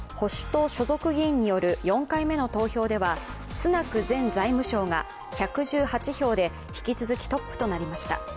党所属議員による４回目の投票ではスナク前財務相が１１８票で引き続きトップとなりました。